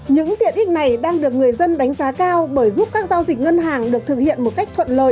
những tiện ích này đang được người dân đánh giá cao bởi giúp các giao dịch ngân hàng được thực hiện một cách thuận lợi